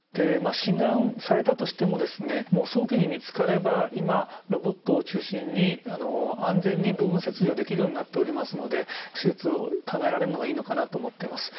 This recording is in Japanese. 診断されたとしても早期に見つかれば今ロボットを中心に安全に部分切除できるようになっておりますので手術を考えられるのがいいのかなと思っています。